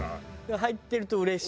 入ってるとうれしい。